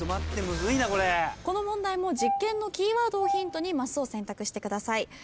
この問題も実験のキーワードをヒントにマスを選択してください。